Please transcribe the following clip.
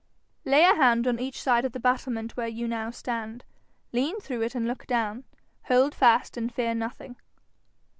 'Lay a hand on each side of the battlement where you now stand; lean through it and look down. Hold fast and fear nothing.'